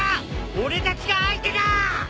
俺たちが相手だ！